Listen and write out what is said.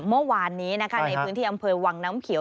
เมื่อวานนี้นะคะในพื้นที่อำเภอวังน้ำเขียว